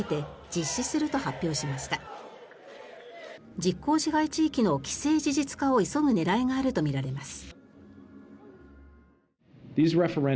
実効支配地域の既成事実化を急ぐ狙いがあるとみられます。